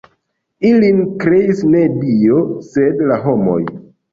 Ilin kreis ne Dio, sed la homoj.